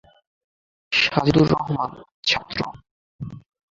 সাজিদুর রহমান, ছাত্র।